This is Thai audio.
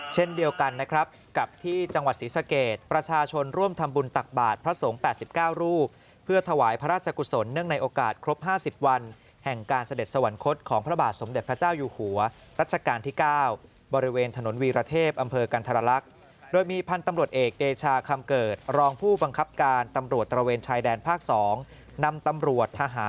เช่นเดียวกันนะครับกับที่จังหวัดศรีสะเกดประชาชนร่วมทำบุญตักบาทพระสงฆ์๘๙รูปเพื่อถวายพระราชกุศลเนื่องในโอกาสครบ๕๐วันแห่งการเสด็จสวรรคตของพระบาทสมเด็จพระเจ้าอยู่หัวรัชกาลที่๙บริเวณถนนวีรเทพอำเภอกันธรรลักษณ์โดยมีพันธุ์ตำรวจเอกเดชาคำเกิดรองผู้บังคับการตำรวจตระเวนชายแดนภาค๒นำตำรวจทหาร